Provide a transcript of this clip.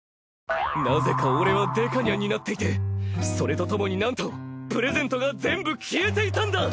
なぜか俺はデカニャンになっていてそれとともになんとプレゼントが全部消えていたんだ！